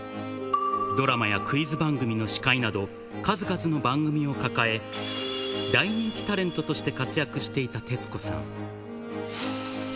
ドラマやクイズ番組の司会など、数々の番組を抱え、大人気タレントとして活躍していた徹子さん。